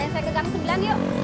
ada yang seger kamu sebilan yuk